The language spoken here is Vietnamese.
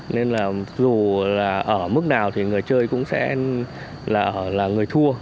nên là dù là ở mức nào thì người chơi cũng sẽ là người thua